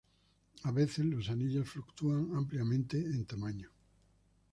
A veces los anillos fluctúan ampliamente en tamaño.